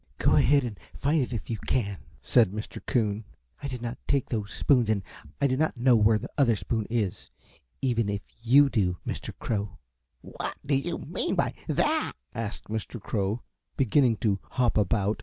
"Go ahead and find it if you can," said Mr. Coon. "I did not take those spoons and I do not know where the other spoon is, even if you do, Mr. Crow." "What do you mean by that?" asked Mr. Crow, beginning to hop about.